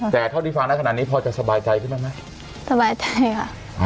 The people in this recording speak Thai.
แต่เท่าที่ฟังนะขนาดนี้พอจะสบายใจขึ้นบ้างไหมสบายใจค่ะ